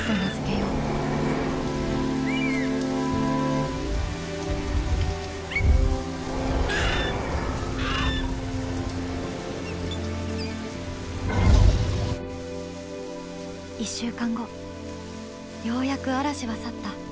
ようやく嵐は去った。